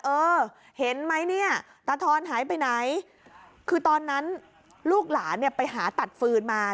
เออเห็นไหมเนี่ยตาทอนหายไปไหนคือตอนนั้นลูกหลานเนี่ยไปหาตัดฟืนมา